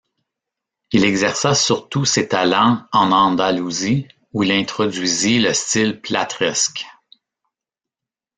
Il exerça surtout ses talents en Andalousie, où il introduisit le style plateresque.